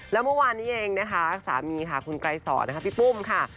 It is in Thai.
แล้วเมื่อวานนี้เองนะคะสามีค่ะคุณไกรสอนนะคะพี่ปุ้มค่ะ